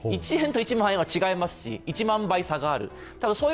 １円と１万円は違いますし、１万倍差がある。